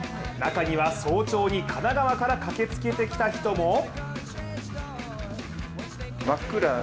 中には、早朝に神奈川から駆けつけてきた人も。